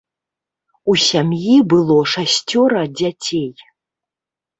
У сям'і было шасцёра дзяцей.